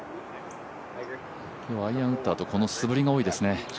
今日はアイアン打ったあとこの素振りが多いですね。